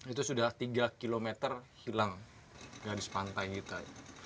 itu sudah tiga km hilang garis pantai kita